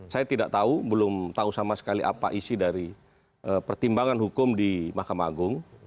saya tidak tahu belum tahu sama sekali apa isi dari pertimbangan hukum di mahkamah agung